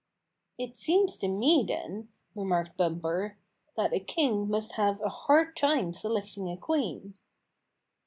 "It seems to me, then," remarked Bumper, "that a king must have a hard time selecting a queen."